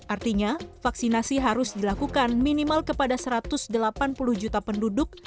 artinya vaksinasi harus dilakukan minimal kepada satu ratus delapan puluh juta penduduk